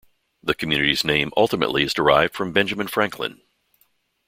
The community's name ultimately is derived from Benjamin Franklin.